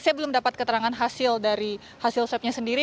saya belum dapat keterangan hasil dari hasil swabnya sendiri